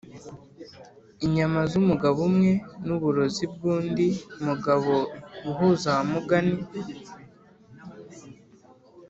inyama zumugabo umwe nuburozi bwundi mugabo guhuza wa mugani